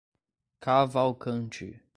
Cavalcante